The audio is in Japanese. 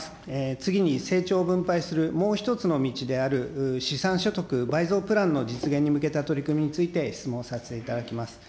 次に、成長分配するもう一つの道である、資産所得倍増プランの実現に向けた取り組みについて質問させていただきます。